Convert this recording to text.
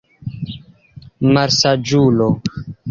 Malsaĝulo!